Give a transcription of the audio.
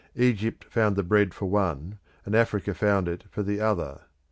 Egypt found the bread for one, and Africa found it for the other.